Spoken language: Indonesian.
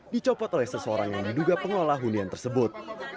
dicopot oleh seseorang yang diduga pengelola hunian tersebut